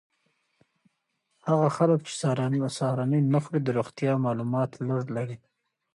هغه خلک چې سهارنۍ نه خوري د روغتیا مالومات لږ لري.